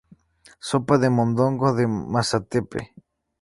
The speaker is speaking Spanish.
Sopa de mondongo de masatepe.